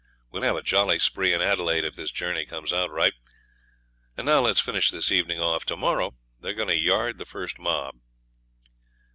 We'll have a jolly spree in Adelaide if this journey comes out right. And now let's finish this evening off. To morrow they're going to yard the first mob.'